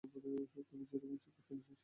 তবে যে-রকম শিক্ষা চলেছে, সে-রকম নয়।